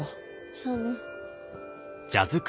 そうね。